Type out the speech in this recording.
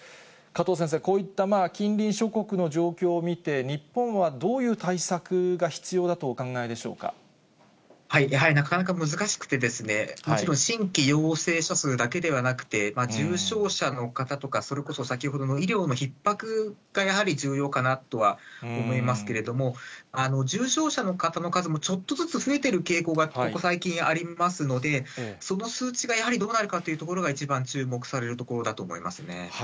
加藤先生、こういった近隣諸国の状況を見て、日本はどういう対策が必要だとおやはりなかなか難しくて、むしろ新規陽性者数だけではなくて、重症者の方とか、それこそ先ほどの医療のひっ迫がやはり、重要かなとは思いますけれども、重症者の方の数もちょっとずつ増えている傾向がここ最近、ありますので、その数字がやはりどうなるかというところが一番注目されるところ